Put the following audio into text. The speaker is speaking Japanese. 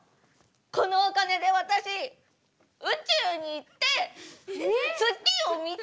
このお金で私宇宙に行って月を見たいの！